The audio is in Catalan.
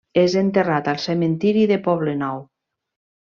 És enterrat al Cementiri del Poblenou.